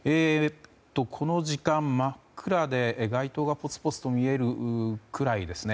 この時間、真っ暗で街灯がぽつぽつと見えるぐらいですね。